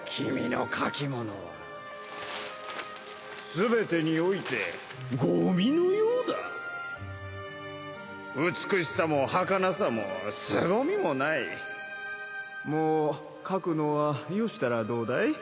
君全てにおいてゴミのようだ美しさもはかなさもすごみもなもう書くのはよしたらどうだい？